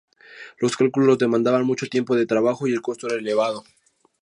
Los cálculos demandaban mucho tiempo de trabajo y el costo era elevado.